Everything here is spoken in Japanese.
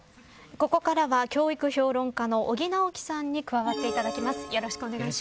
ここからは、教育評論家の尾木直樹さんに加わっていただきます。